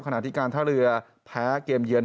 ขณะที่การท่าเรือแพ้เกมเยือน